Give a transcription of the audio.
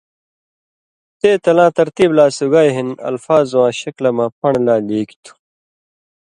تے تلاں ترتیب لا سگائ ہِن الفاظواں شکلہ مہ پن٘ڑہ لا لیکیۡ ُتھو۔